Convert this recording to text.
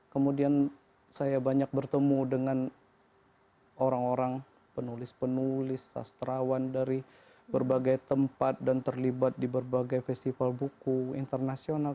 kemudian saya banyak bertemu dengan orang orang penulis penulis sastrawan dari berbagai tempat dan terlibat di berbagai festival buku internasional